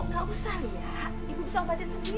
nggak usah ria ibu bisa obatin sendiri